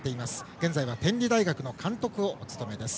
現在は天理大学の監督をお務めです。